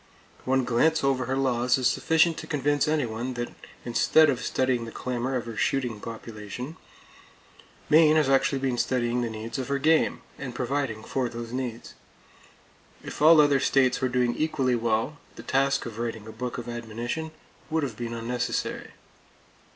One glance over her laws is sufficient to convince anyone that instead of studying the clamor of her shooting population, Maine has actually been studying the needs of her game, and providing for those needs. If all other states were doing equally well, the task of writing a book of admonition would have been unnecessary.